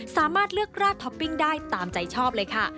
สามารถเลือกราดท็อปปิ้งได้ตามใจชอบเลยค่ะ